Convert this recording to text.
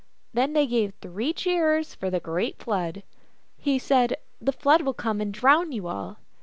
Then they gave three cheers for the great Flood. He said, " The Flood will come and drown you all."